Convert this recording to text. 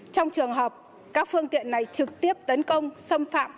trong trường hợp các phương tiện này trực tiếp tấn công xâm phạm